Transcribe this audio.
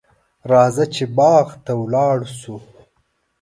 راځه چې باغ ته ولاړ شو.